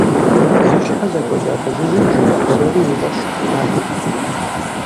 Зи щхьэ зэкӀуэкӀа фызыжьым жиӀэ псори уи фӀэщ мэхъу.